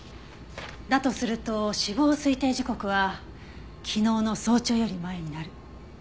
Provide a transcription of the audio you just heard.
だとすると死亡推定時刻は昨日の早朝より前になる。